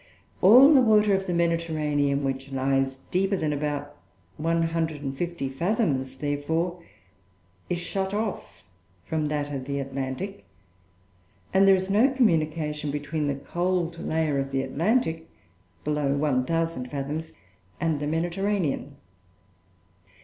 All the water of the Mediterranean which lies deeper than about 150 fathoms, therefore, is shut off from that of the Atlantic, and there is no communication between the cold layer of the Atlantic (below 1,000 fathoms) and the Mediterranean.